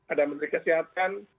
ada menteri kesehatan